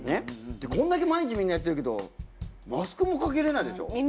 こんだけ毎日みんなやってるけどマスクもかけられないでしょ？